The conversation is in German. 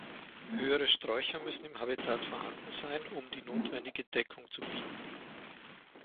Höhere Sträucher müssen im Habitat vorhanden sein, um die notwendige Deckung zu bieten.